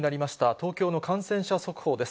東京の感染者速報です。